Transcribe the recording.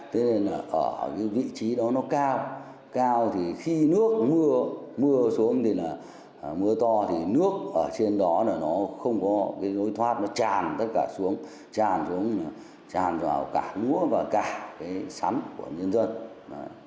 thế nên là ở cái vị trí đó nó cao cao thì khi nước mưa xuống thì là mưa to thì nước ở trên đó là nó không có cái lối thoát nó tràn tất cả xuống tràn xuống là tràn vào cả múa và cả cái sắn của nhân dân